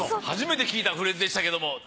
初めて聞いたフレーズでしたけども。